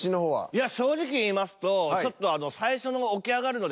いや正直言いますとちょっとあの最初の。